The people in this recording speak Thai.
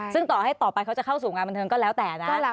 ซึ่งต่อให้ต่อไปเขาจะเข้าสู่งานบันเทิงก็แล้วแต่นะ